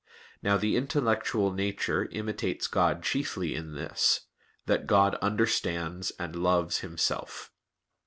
Now the intellectual nature imitates God chiefly in this, that God understands and loves Himself.